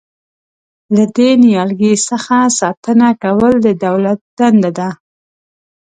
له دې نیالګي څخه ساتنه کول د دولت دنده ده.